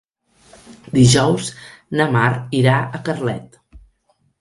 Dijous na Mar irà a Carlet.